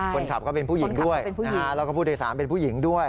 คนขับก็เป็นผู้หญิงด้วยนะฮะแล้วก็ผู้โดยสารเป็นผู้หญิงด้วย